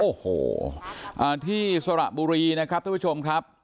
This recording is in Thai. โอ้โหที่สระบุรีนะครับท่านผู้ชมครับ